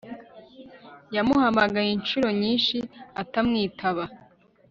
yamuhamagaye inshuro nyinshi atamwitaba